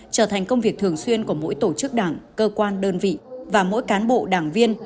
trở thành công việc thường xuyên của mỗi tổ chức đảng cơ quan đơn vị và mỗi cán bộ đảng viên